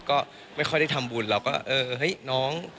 ก็ไม่ค่อยได้ทำบุญเราก็เออเฮ้ยน้อง